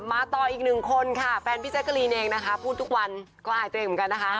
มาต่ออีกหนึ่งคนค่ะแฟนพี่แจ๊กกะลีนเองนะคะพูดทุกวันก็อายตัวเองเหมือนกันนะคะ